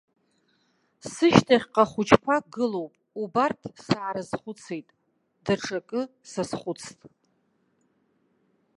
Сышьҭахьҟа хәыҷқәак гылоуп, убарҭ саарызхәыцит, даҽакы саазхәыцт.